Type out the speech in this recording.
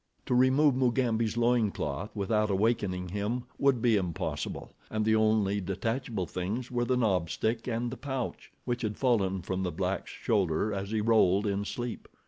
To remove Mugambi's loin cloth without awakening him would be impossible, and the only detachable things were the knob stick and the pouch, which had fallen from the black's shoulder as he rolled in sleep.